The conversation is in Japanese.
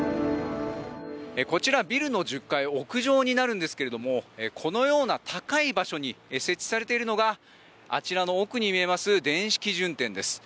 こちらビルの１０階屋上になるんですがこのような高い場所に設置されているのがあちらの奥に見えます電子基準点です。